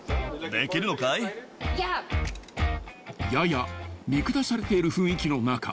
［やや見下されている雰囲気の中